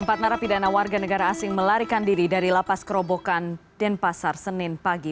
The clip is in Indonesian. empat narapidana warga negara asing melarikan diri dari lapas kerobokan denpasar senin pagi